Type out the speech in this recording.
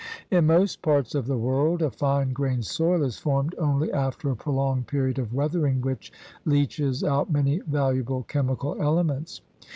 In most parts of the world a fine grained soil is formed only after a prolonged period of weathering which leaches out many valuable chemical elements.